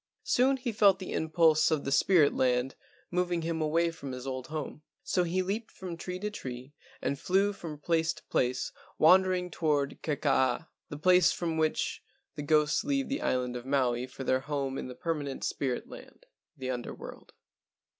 Soon he felt the impulse of the spirit land moving him away from his old home. So he leaped from tree to tree and flew from place to place wander¬ ing toward Kekaa, the place from which the ghosts leave the island of Maui for their home in the permanent spirit land—the Under world.